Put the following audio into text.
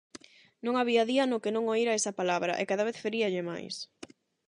Non había día no que non oíra esa palabra, e cada vez feríalle máis...